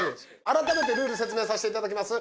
改めてルール説明させていただきます